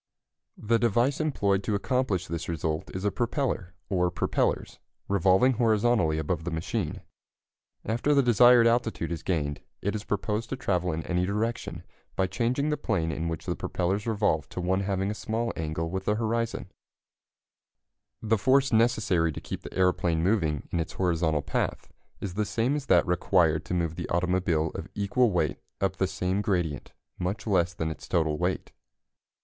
The device employed to accomplish this result is a propeller, or propellers, revolving horizontally above the machine. After the desired altitude is gained it is proposed to travel in any direction by changing the plane in which the propellers revolve to one having a small angle with the horizon. [Illustration: The force necessary to keep the aeroplane moving in its horizontal path is the same as that required to move the automobile of equal weight up the same gradient much less than its total weight.